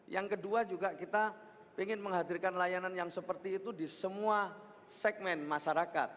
yang kedua juga kita ingin menghadirkan layanan yang seperti itu di semua segmen masyarakat